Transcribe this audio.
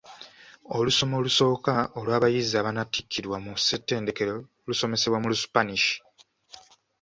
Olusoma olusooka olw'abayizi abatannattikirwa ku ssettendekero lusomesebwa mu lusipanish.